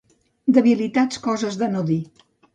Debilitats cosa de no dir.